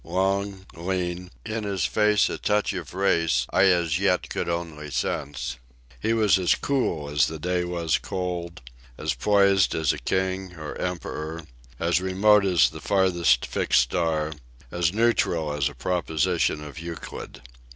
Long, lean, in his face a touch of race I as yet could only sense, he was as cool as the day was cold, as poised as a king or emperor, as remote as the farthest fixed star, as neutral as a proposition of Euclid.